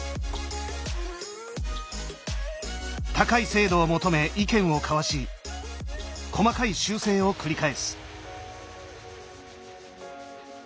高い精度を求め意見を交わし細かい修正を繰り返す。